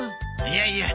いやいや。